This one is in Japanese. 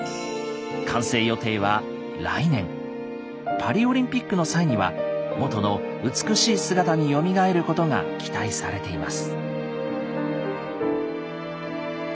パリオリンピックの際には元の美しい姿によみがえることが期待されています。